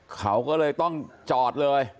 เขาก็เลยต้องจอดเลย